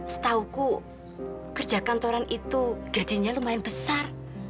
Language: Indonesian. setahuku kerja kantoran itu gajinya lumayan besar